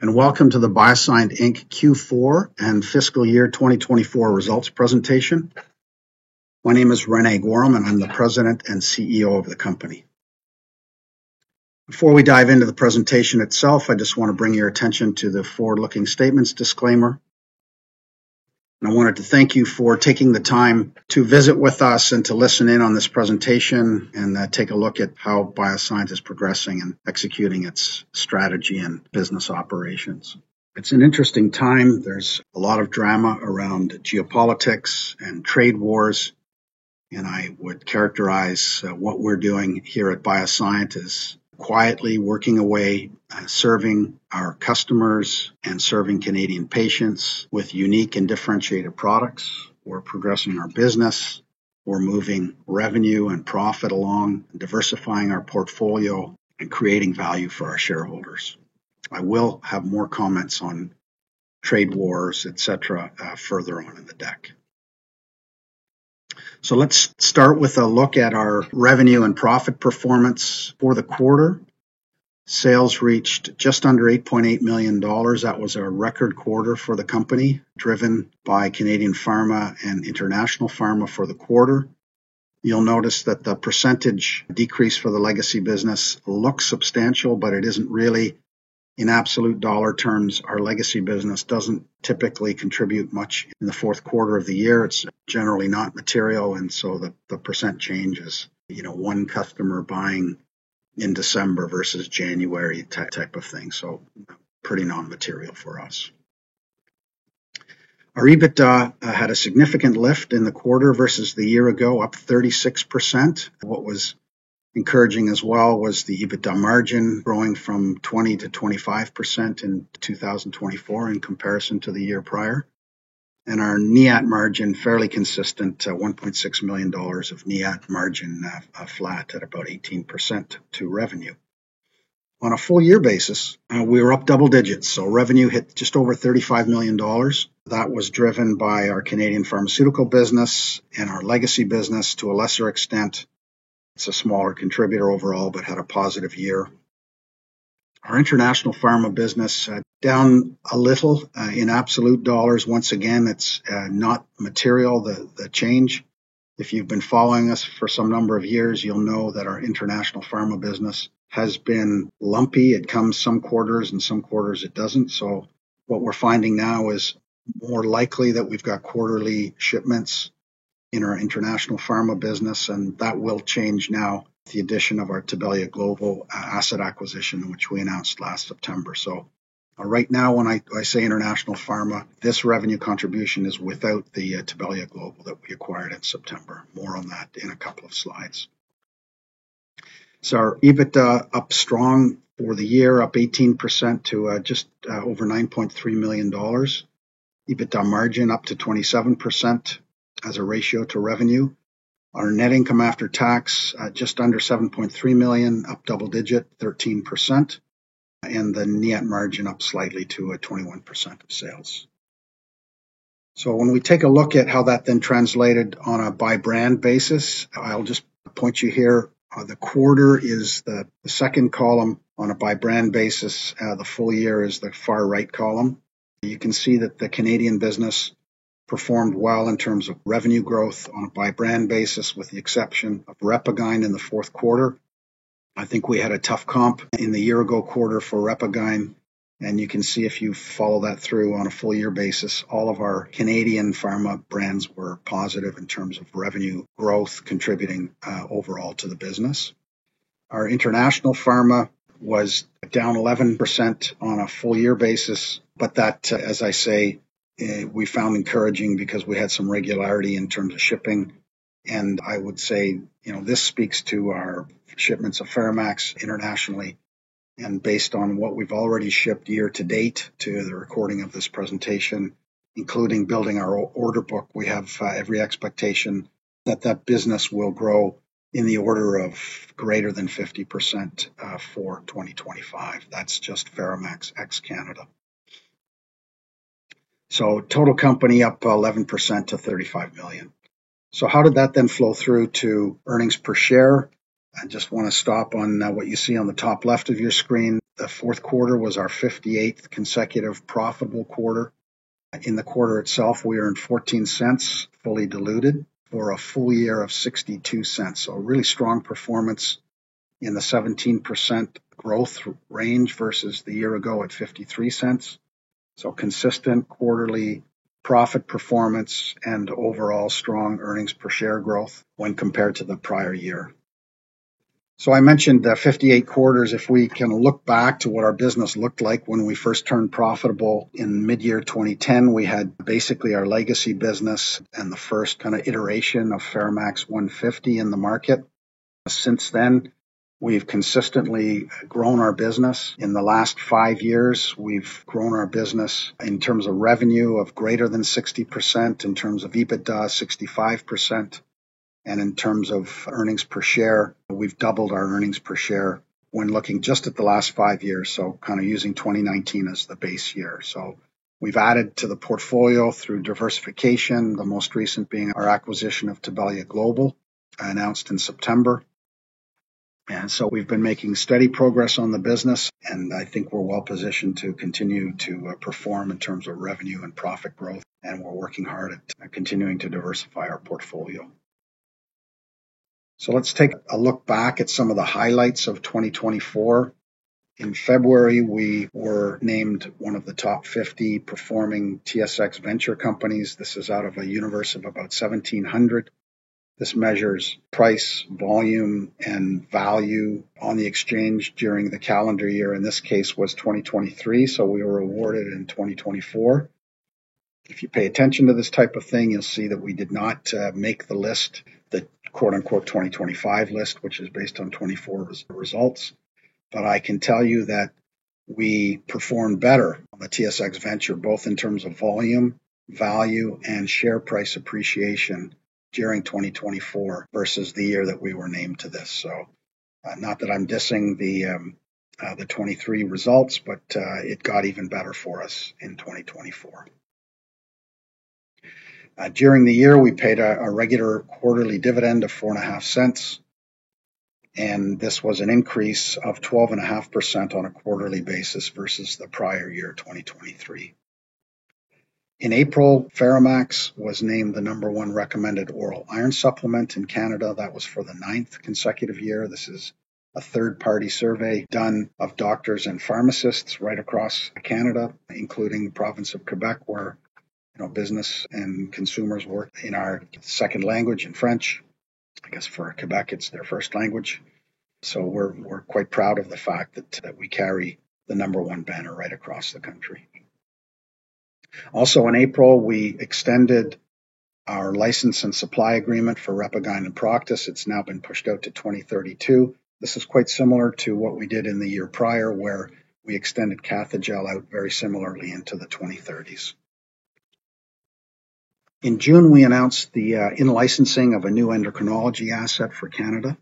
Hello, and welcome to the BioSyent Q4 and Fiscal Year 2024 results presentation. My name is René Goehrum, and I'm the President and CEO of the company. Before we dive into the presentation itself, I just want to bring your attention to the forward-looking statements disclaimer. I wanted to thank you for taking the time to visit with us and to listen in on this presentation and take a look at how BioSyent is progressing and executing its strategy and business operations. It's an interesting time. There's a lot of drama around geopolitics and trade wars, and I would characterize what we're doing here at BioSyent as quietly working away, serving our customers and serving Canadian patients with unique and differentiated products. We're progressing our business. We're moving revenue and profit along, diversifying our portfolio and creating value for our shareholders. I will have more comments on trade wars, etc., further on in the deck. Let's start with a look at our revenue and profit performance for the quarter. Sales reached just under 8.8 million dollars. That was a record quarter for the company, driven by Canadian pharma and international pharma for the quarter. You'll notice that the percentage decrease for the legacy business looks substantial, but it isn't really. In absolute dollar terms, our legacy business doesn't typically contribute much in the fourth quarter of the year. It's generally not material, and the percent change is one customer buying in December versus January type of thing. Pretty non-material for us. Our EBITDA had a significant lift in the quarter versus the year ago, up 36%. What was encouraging as well was the EBITDA margin growing from 20% to 25% in 2024 in comparison to the year prior. Our NIAT margin, fairly consistent, 1.6 million dollars of NIAT margin flat at about 18% to revenue. On a full-year basis, we were up double digits. Revenue hit just over 35 million dollars. That was driven by our Canadian pharmaceutical business and our legacy business to a lesser extent. It is a smaller contributor overall but had a positive year. Our international pharma business down a little in absolute dollars. Once again, it is not material, the change. If you have been following us for some number of years, you will know that our international pharma business has been lumpy. It comes some quarters, and some quarters it does not. What we are finding now is more likely that we have quarterly shipments in our international pharma business, and that will change now with the addition of our Tibelia Global asset acquisition, which we announced last September. Right now, when I say international pharma, this revenue contribution is without the Tibelia Global that we acquired in September. More on that in a couple of slides. Our EBITDA up strong for the year, up 18% to just over 9.3 million dollars. EBITDA margin up to 27% as a ratio to revenue. Our net income after tax just under 7.3 million, up double digit, 13%. The NIAT margin up slightly to 21% of sales. When we take a look at how that then translated on a by-brand basis, I'll just point you here. The quarter is the second column on a by-brand basis. The full year is the far right column. You can see that the Canadian business performed well in terms of revenue growth on a by-brand basis, with the exception of RepaGyn in the fourth quarter. I think we had a tough comp in the year-ago quarter for RepaGyn. You can see if you follow that through on a full-year basis, all of our Canadian pharma brands were positive in terms of revenue growth contributing overall to the business. Our international pharma was down 11% on a full-year basis, but that, as I say, we found encouraging because we had some regularity in terms of shipping. I would say this speaks to our shipments of FeraMAX internationally. Based on what we have already shipped year to date to the recording of this presentation, including building our order book, we have every expectation that that business will grow in the order of greater than 50% for 2025. That is just FeraMAX ex-Canada. Total company up 11% to 35 million. How did that then flow through to earnings per share? I just want to stop on what you see on the top left of your screen. The fourth quarter was our 58th consecutive profitable quarter. In the quarter itself, we earned 0.14 fully diluted for a full year of 0.62. Really strong performance in the 17% growth range versus the year ago at 0.53. Consistent quarterly profit performance and overall strong earnings per share growth when compared to the prior year. I mentioned 58 quarters. If we can look back to what our business looked like when we first turned profitable in mid-year 2010, we had basically our legacy business and the first kind of iteration of FeraMAX 150 in the market. Since then, we've consistently grown our business. In the last five years, we've grown our business in terms of revenue of greater than 60%, in terms of EBITDA, 65%. In terms of earnings per share, we've doubled our earnings per share when looking just at the last five years, kind of using 2019 as the base year. We've added to the portfolio through diversification, the most recent being our acquisition of Tibelia Global, announced in September. We've been making steady progress on the business, and I think we're well positioned to continue to perform in terms of revenue and profit growth. We're working hard at continuing to diversify our portfolio. Let's take a look back at some of the highlights of 2024. In February, we were named one of the top 50 performing TSX Venture companies. This is out of a universe of about 1,700. This measures price, volume, and value on the exchange during the calendar year. In this case, it was 2023, so we were awarded in 2024. If you pay attention to this type of thing, you'll see that we did not make the list, the "2025 list," which is based on 2024 results. I can tell you that we performed better on the TSX Venture, both in terms of volume, value, and share price appreciation during 2024 versus the year that we were named to this. Not that I'm dissing the 2023 results, but it got even better for us in 2024. During the year, we paid a regular quarterly dividend of 0.04, and this was an increase of 12.5% on a quarterly basis versus the prior year, 2023. In April, FeraMAX was named the number one recommended oral iron supplement in Canada. That was for the ninth consecutive year. This is a third-party survey done of doctors and pharmacists right across Canada, including the province of Quebec, where business and consumers work in our second language, in French. I guess for Quebec, it's their first language. We are quite proud of the fact that we carry the number one banner right across the country. Also, in April, we extended our license and supply agreement for RepaGyn and Proktis-M. It's now been pushed out to 2032. This is quite similar to what we did in the year prior, where we extended Cathejell out very similarly into the 2030s. In June, we announced the in-licensing of a new endocrinology asset for Canada.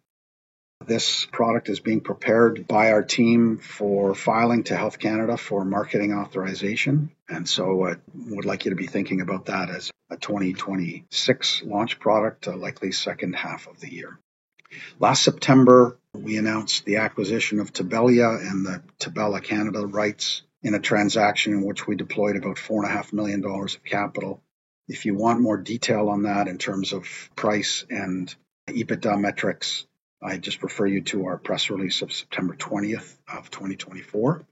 This product is being prepared by our team for filing to Health Canada for marketing authorization. I would like you to be thinking about that as a 2026 launch product, likely second half of the year. Last September, we announced the acquisition of Tibelia and the Tibella Canada rights in a transaction in which we deployed about 4.5 million dollars of capital. If you want more detail on that in terms of price and EBITDA metrics, I just refer you to our press release of September 20th of 2024.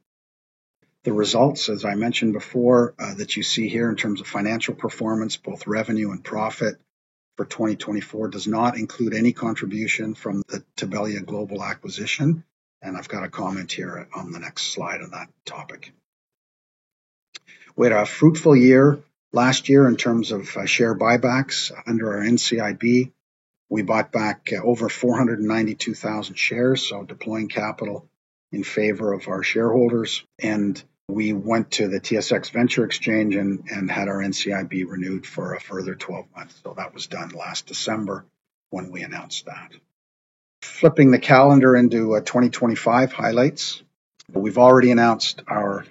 The results, as I mentioned before, that you see here in terms of financial performance, both revenue and profit for 2024, do not include any contribution from the Tibelia Global acquisition. I have got a comment here on the next slide on that topic. We had a fruitful year last year in terms of share buybacks under our NCIB. We bought back over 492,000 shares, deploying capital in favor of our shareholders. We went to the TSX Venture Exchange and had our NCIB renewed for a further 12 months. That was done last December when we announced that. Flipping the calendar into 2025 highlights, we've already announced our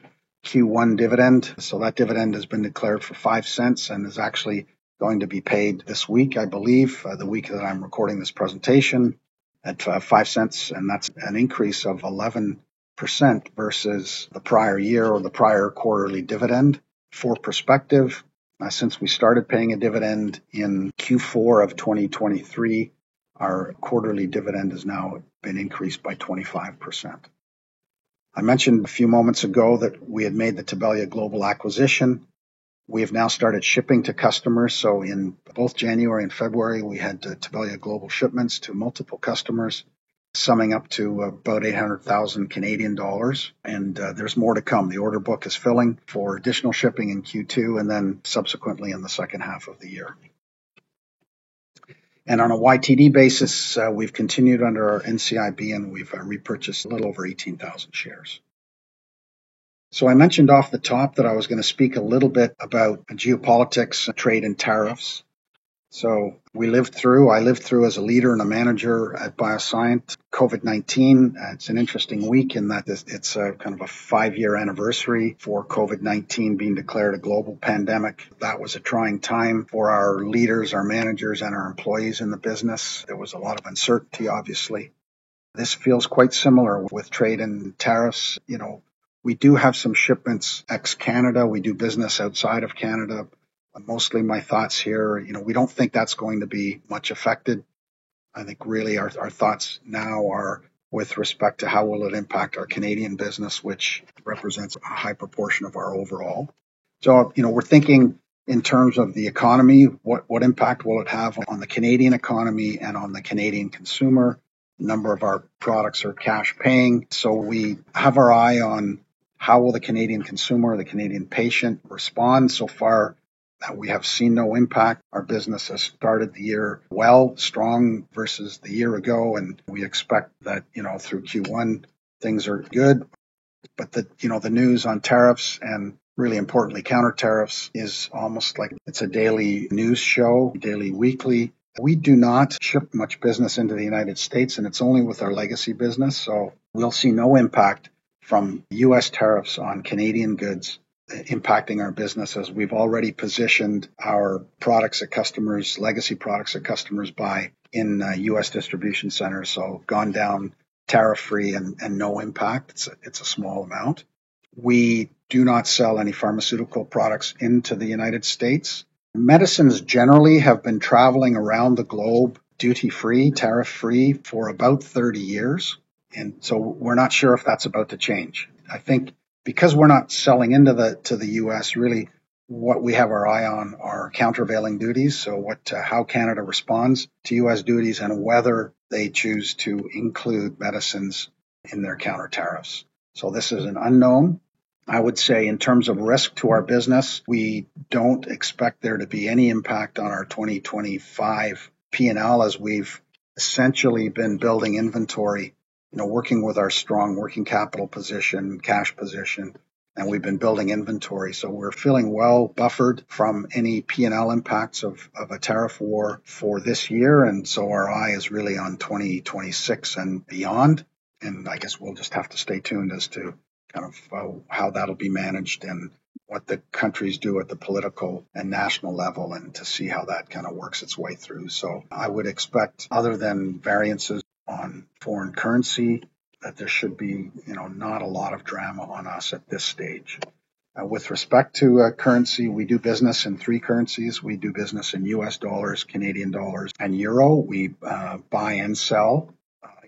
Q1 dividend. That dividend has been declared for 0.05 and is actually going to be paid this week, I believe, the week that I'm recording this presentation, at 0.05. That's an increase of 11% versus the prior year or the prior quarterly dividend. For perspective, since we started paying a dividend in Q4 of 2023, our quarterly dividend has now been increased by 25%. I mentioned a few moments ago that we had made the Tibelia Global acquisition. We have now started shipping to customers. In both January and February, we had Tibelia Global shipments to multiple customers, summing up to about 800,000 Canadian dollars. There's more to come. The order book is filling for additional shipping in Q2 and then subsequently in the second half of the year. On a YTD basis, we've continued under our NCIB, and we've repurchased a little over 18,000 shares. I mentioned off the top that I was going to speak a little bit about geopolitics, trade, and tariffs. I lived through, as a leader and a manager at BioSyent, COVID-19. It's an interesting week in that it's kind of a five-year anniversary for COVID-19 being declared a global pandemic. That was a trying time for our leaders, our managers, and our employees in the business. There was a lot of uncertainty, obviously. This feels quite similar with trade and tariffs. We do have some shipments ex-Canada. We do business outside of Canada. Mostly my thoughts here, we don't think that's going to be much affected. I think really our thoughts now are with respect to how will it impact our Canadian business, which represents a high proportion of our overall. We are thinking in terms of the economy, what impact will it have on the Canadian economy and on the Canadian consumer? A number of our products are cash paying. We have our eye on how will the Canadian consumer, the Canadian patient respond. So far that we have seen no impact. Our business has started the year well, strong versus the year ago. We expect that through Q1, things are good. The news on tariffs and, really importantly, counter tariffs is almost like it's a daily news show, daily weekly. We do not ship much business into the U.S., and it's only with our legacy business. We will see no impact from U.S. Tariffs on Canadian goods impacting our business as we've already positioned our products at customers, legacy products at customers buy in U.S. distribution centers. Gone down tariff-free and no impact. It's a small amount. We do not sell any pharmaceutical products into the U.S. Medicines generally have been traveling around the globe duty-free, tariff-free for about 30 years. We're not sure if that's about to change. I think because we're not selling into the U.S., really what we have our eye on are countervailing duties, how Canada responds to U.S. duties and whether they choose to include medicines in their counter tariffs. This is an unknown. I would say in terms of risk to our business, we don't expect there to be any impact on our 2025 P&L as we've essentially been building inventory, working with our strong working capital position, cash position. We have been building inventory. We are feeling well buffered from any P&L impacts of a tariff war for this year. Our eye is really on 2026 and beyond. I guess we will just have to stay tuned as to how that will be managed and what the countries do at the political and national level to see how that works its way through. I would expect, other than variances on foreign currency, that there should be not a lot of drama on us at this stage. With respect to currency, we do business in three currencies. We do business in U.S. dollars, Canadian dollars, and euro. We buy and sell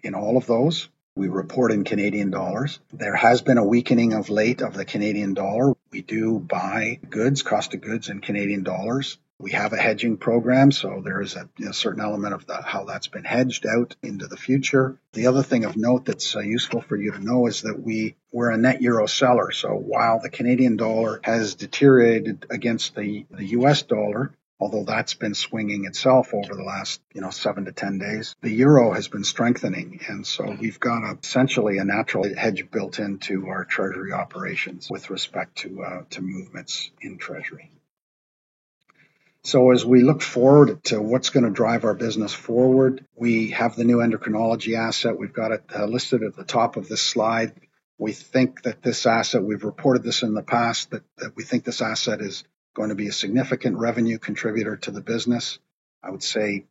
in all of those. We report in Canadian dollars. There has been a weakening of late of the Canadian dollar. We do buy goods, cost of goods in Canadian dollars. We have a hedging program, so there is a certain element of how that's been hedged out into the future. The other thing of note that's useful for you to know is that we're a net euro seller. While the Canadian dollar has deteriorated against the U.S. dollar, although that's been swinging itself over the last 7-10 days, the euro has been strengthening. We have essentially a natural hedge built into our treasury operations with respect to movements in treasury. As we look forward to what's going to drive our business forward, we have the new endocrinology asset. We've got it listed at the top of this slide. We think that this asset, we've reported this in the past, that we think this asset is going to be a significant revenue contributor to the business. I would say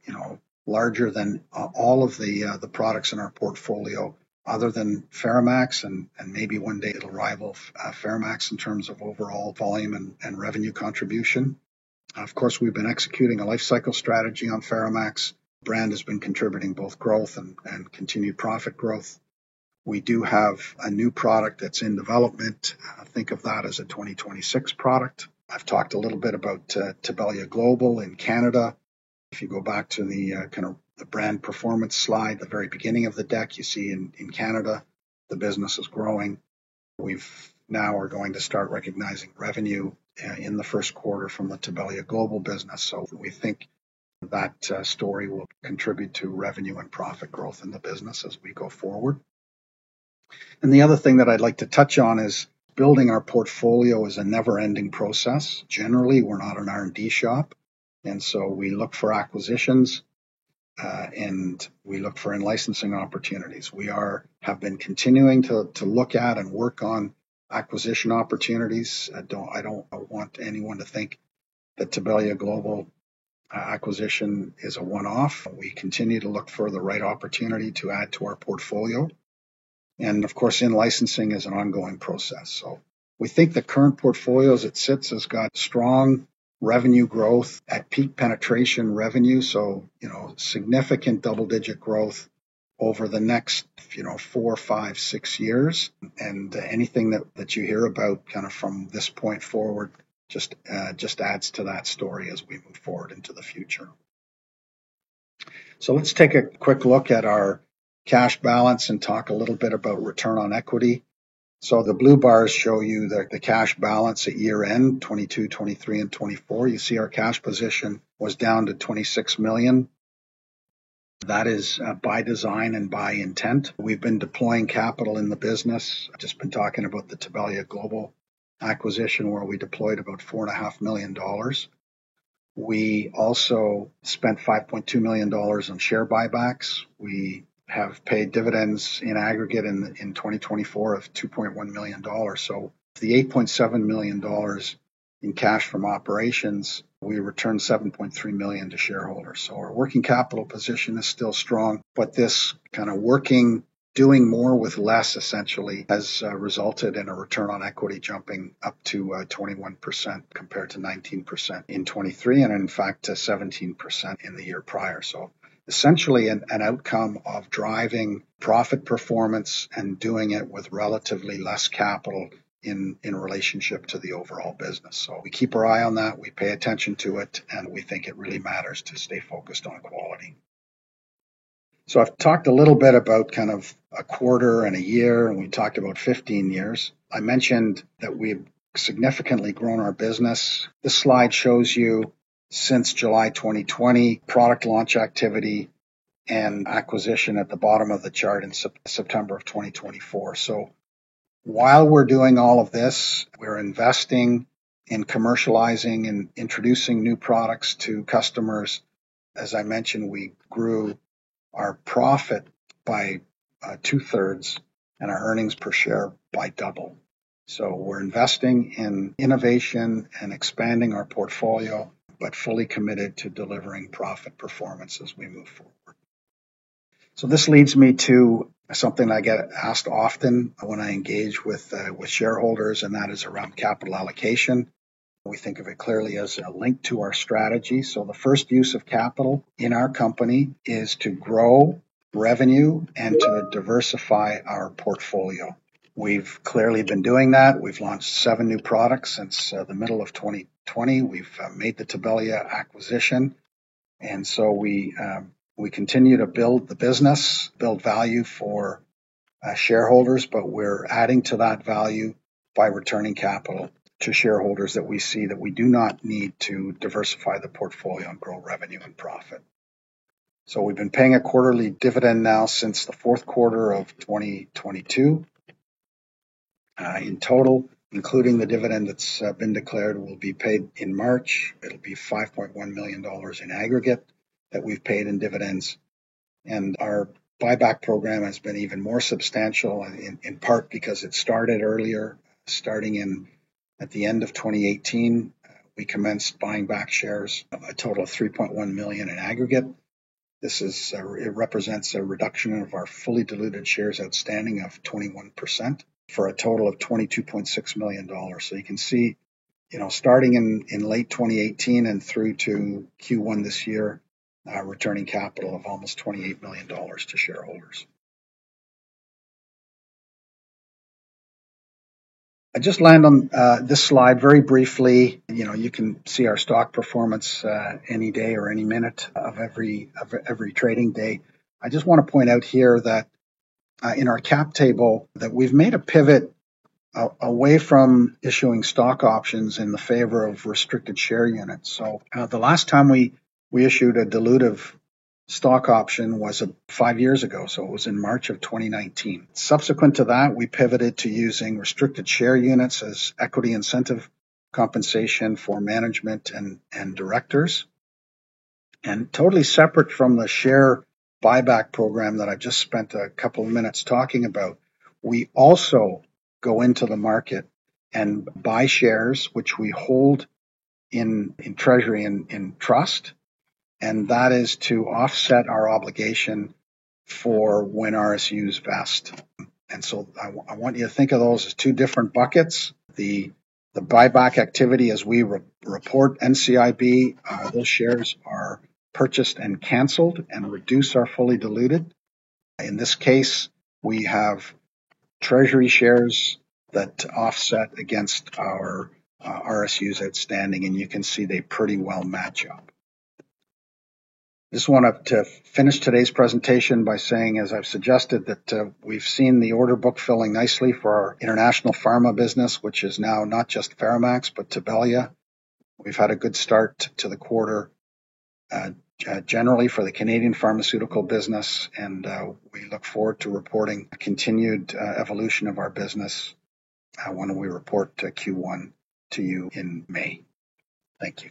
larger than all of the products in our portfolio other than FeraMAX, and maybe one day it'll rival FeraMAX in terms of overall volume and revenue contribution. Of course, we've been executing a life cycle strategy on FeraMAX. The brand has been contributing both growth and continued profit growth. We do have a new product that's in development. Think of that as a 2026 product. I've talked a little bit about Tibelia Global in Canada. If you go back to the kind of brand performance slide, the very beginning of the deck, you see in Canada, the business is growing. We now are going to start recognizing revenue in the first quarter from the Tibelia Global business. We think that story will contribute to revenue and profit growth in the business as we go forward. The other thing that I'd like to touch on is building our portfolio is a never-ending process. Generally, we're not an R&D shop. We look for acquisitions and we look for in-licensing opportunities. We have been continuing to look at and work on acquisition opportunities. I don't want anyone to think that Tibelia Global acquisition is a one-off. We continue to look for the right opportunity to add to our portfolio. Of course, in-licensing is an ongoing process. We think the current portfolio as it sits has got strong revenue growth at peak penetration revenue, so significant double-digit growth over the next four, five, six years. Anything that you hear about kind of from this point forward just adds to that story as we move forward into the future. Let's take a quick look at our cash balance and talk a little bit about return on equity. The blue bars show you the cash balance at year-end 2022, 2023, and 2024. You see our cash position was down to 26 million. That is by design and by intent. We've been deploying capital in the business. I've just been talking about the Tibelia Global acquisition where we deployed about 4.5 million dollars. We also spent 5.2 million dollars on share buybacks. We have paid dividends in aggregate in 2024 of 2.1 million dollars. The 8.7 million dollars in cash from operations, we returned 7.3 million to shareholders. Our working capital position is still strong, but this kind of working, doing more with less essentially has resulted in a return on equity jumping up to 21% compared to 19% in 2023 and in fact 17% in the year prior. Essentially an outcome of driving profit performance and doing it with relatively less capital in relationship to the overall business. We keep our eye on that. We pay attention to it, and we think it really matters to stay focused on quality. I have talked a little bit about kind of a quarter and a year, and we talked about 15 years. I mentioned that we have significantly grown our business. This slide shows you since July 2020, product launch activity and acquisition at the bottom of the chart in September of 2024. While we are doing all of this, we are investing in commercializing and introducing new products to customers. As I mentioned, we grew our profit by two-thirds and our earnings per share by double. We are investing in innovation and expanding our portfolio, but fully committed to delivering profit performance as we move forward. This leads me to something I get asked often when I engage with shareholders, and that is around capital allocation. We think of it clearly as a link to our strategy. The first use of capital in our company is to grow revenue and to diversify our portfolio. We've clearly been doing that. We've launched seven new products since the middle of 2020. We've made the Tibelia acquisition. We continue to build the business, build value for shareholders, but we're adding to that value by returning capital to shareholders that we see that we do not need to diversify the portfolio and grow revenue and profit. We've been paying a quarterly dividend now since the fourth quarter of 2022. In total, including the dividend that's been declared, will be paid in March. It will be 5.1 million dollars in aggregate that we've paid in dividends. Our buyback program has been even more substantial, in part because it started earlier. Starting at the end of 2018, we commenced buying back shares of a total of 3.1 million in aggregate. This represents a reduction of our fully diluted shares outstanding of 21% for a total of 22.6 million dollars. You can see starting in late 2018 and through to Q1 this year, returning capital of almost 28 million dollars to shareholders. I just land on this slide very briefly. You can see our stock performance any day or any minute of every trading day. I just want to point out here that in our cap table that we've made a pivot away from issuing stock options in the favor of restricted share units. The last time we issued a dilutive stock option was five years ago. It was in March of 2019. Subsequent to that, we pivoted to using restricted share units as equity incentive compensation for management and directors. Totally separate from the share buyback program that I just spent a couple of minutes talking about, we also go into the market and buy shares, which we hold in treasury and trust. That is to offset our obligation for when RSUs vest. I want you to think of those as two different buckets. The buyback activity, as we report NCIB, those shares are purchased and canceled and reduce our fully diluted. In this case, we have treasury shares that offset against our RSUs outstanding. You can see they pretty well match up. I just want to finish today's presentation by saying, as I've suggested, that we've seen the order book filling nicely for our international pharma business, which is now not just FeraMAX, but Tibelia. We've had a good start to the quarter generally for the Canadian pharmaceutical business. We look forward to reporting continued evolution of our business when we report Q1 to you in May. Thank you.